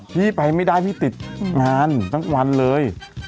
พี่ไปไม่ได้พี่ติดงานทั้งวันเลย